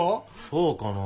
そうかな？